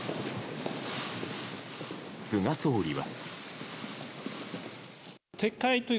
菅総理は。